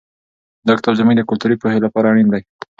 دا کتاب زموږ د کلتوري پوهې لپاره اړین دی.